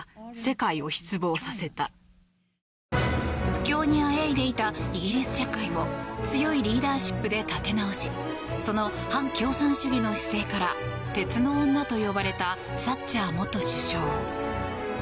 不況にあえいでいたイギリス社会を強いリーダーシップで立て直しその反共産主義の姿勢から鉄の女と呼ばれたサッチャー元首相。